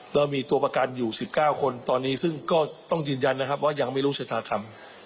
เรามีตัวประกันอยู่๑๙คนตอนนี้ซึ่งก็ต้องยืนยันนะครับว่ายังไม่รู้ชะตาธรรม